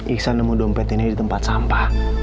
iksan nemu dompet ini di tempat sampah